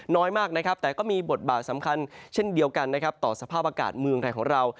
น้อยมากนะครับแต่ก็มีบทบาทสำคัญเช่นเดียวกันนะครับต่อสภาพอากาศเมืองไทยของเรา